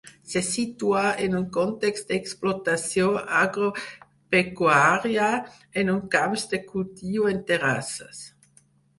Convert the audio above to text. Se situa en un context d'explotació agropecuària, en uns camps de cultiu en terrasses.